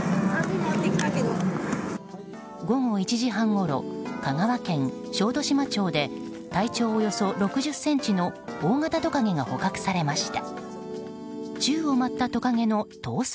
午後１時半ごろ香川県小豆島町で体長およそ６０ｃｍの大型トカゲが捕獲されました。